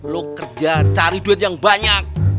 lo kerja cari duit yang banyak